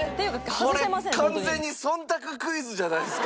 これ完全に忖度クイズじゃないですか。